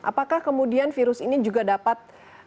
apakah kemudian virus ini juga dapat